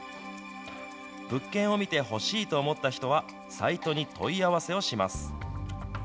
物件を見て、欲しいと思った人は、サイトに問い合わせをします。